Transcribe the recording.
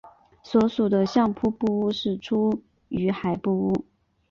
所属的相扑部屋是出羽海部屋。